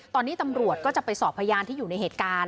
ตอนนี้ตำรวจก็จะไปสอบพยานที่อยู่ในเหตุการณ์